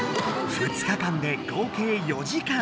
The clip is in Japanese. ２日間で合計４時間！